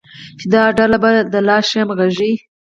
چې دا ډله به د لا ښې همغږۍ،